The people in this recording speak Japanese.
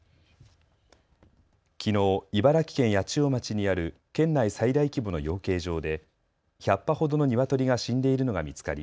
きのう茨城県八千代町にある県内最大規模の養鶏場で１００羽ほどのニワトリが死んでいるのが見つかり